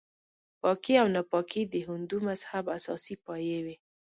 پاکي او ناپاکي د هندو مذهب اساسي پایې وې.